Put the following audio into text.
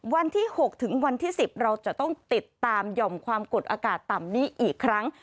วันที่๖ถึงวันที่๑๐เราจะต้องติดตามหย่อมความกดอากาศต่ำนี้อีกครั้ง